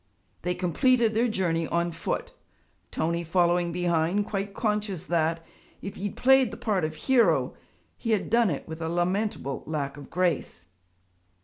They completed their journey on foot; Tony following behind, quite conscious that, if he had played the part of hero, he had done it with a lamentable lack of grace.